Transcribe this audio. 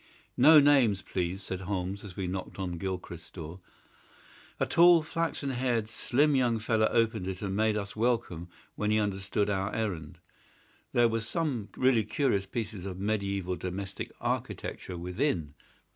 "No names, please!" said Holmes, as we knocked at Gilchrist's door. A tall, flaxen haired, slim young fellow opened it, and made us welcome when he understood our errand. There were some really curious pieces of mediaeval domestic architecture within.